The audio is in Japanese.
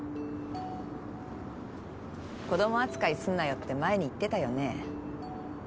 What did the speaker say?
子供扱いすんなよって前に言ってたよね？